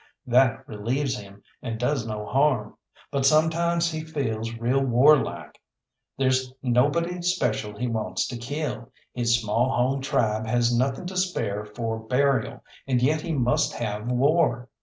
That relieves him, and does no harm. But sometimes he feels real warlike. There's nobody special he wants to kill, his small home tribe has nothing to spare for burial, and yet he must have war.